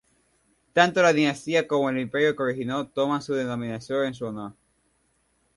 Tanto la dinastía como el imperio que originó toman su denominación en su honor.